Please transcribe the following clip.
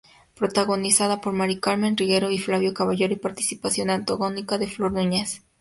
Protagonizada por Maricarmen Regueiro y Flavio Caballero, y la participación antagónica de Flor Núñez.